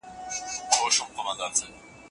وئېل ئې چې ناياب نۀ دی خو ډېر ئې پۀ ارمان دي